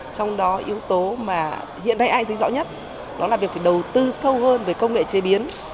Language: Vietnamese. trong đó yếu tố mà hiện nay ai thấy rõ nhất đó là việc phải đầu tư sâu hơn về công nghệ chế biến